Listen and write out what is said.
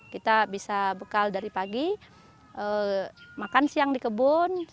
kita bisa bekal dari pagi makan siang di kebun